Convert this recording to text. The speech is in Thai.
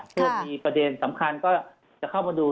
พวกมีประเด็นสำคัญก็จะเข้ามาดู